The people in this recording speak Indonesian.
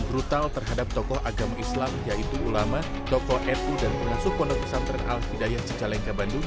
sebuah serangan yang brutal terhadap tokoh agama islam yaitu ulama tokoh etu dan pengasuh kondok pesantren al hidayah secalengka bandung